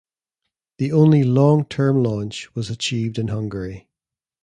The only long term launch was achieved in Hungary.